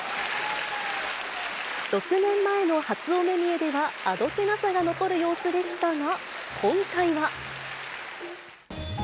６年前の初お目見えではあどけなさが残る様子でしたが、今回は。